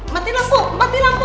mati lampu mati lampu